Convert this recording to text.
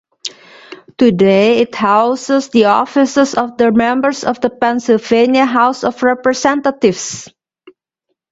Today it houses the offices of the members of the Pennsylvania House of Representatives.